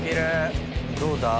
どうだ？